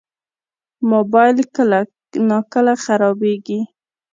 موبایل کله ناکله خرابېږي.